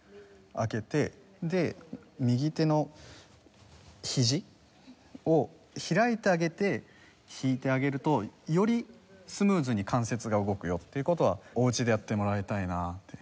開けてで右手のひじを開いてあげて弾いてあげるとよりスムーズに関節が動くよっていう事はお家でやってもらいたいなって。